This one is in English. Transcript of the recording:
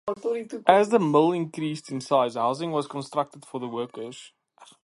As the mill increased in size, housing was constructed for the workers.